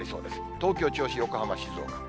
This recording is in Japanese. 東京、銚子、横浜、静岡。